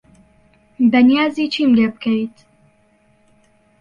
بەنیازی چیم لێ بکەیت؟